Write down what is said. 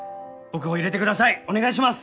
お願いします！